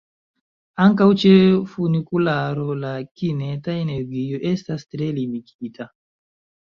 Ankaŭ ĉe funikularo la kineta energio estas tre limigita.